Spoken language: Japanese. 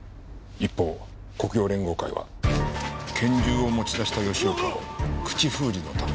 一方黒洋連合会は拳銃を持ち出した吉岡を口封じのために。